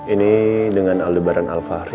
ini dengan aldebaran alfahri